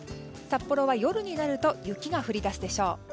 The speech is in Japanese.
札幌は夜になると雪が降り出すでしょう。